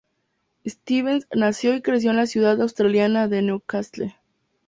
Stevens nació y creció en la ciudad australiana de Newcastle.